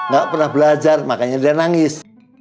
gak pernah belajar makanya dia nangis